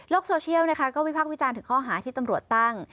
โซเชียลนะคะก็วิพากษ์วิจารณ์ถึงข้อหาที่ตำรวจตั้ง